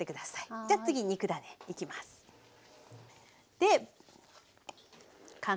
じゃ次肉ダネいきます。